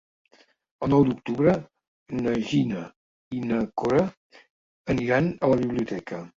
El nou d'octubre na Gina i na Cora aniran a la biblioteca.